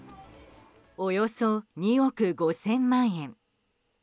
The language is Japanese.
およそ２億５０００万円。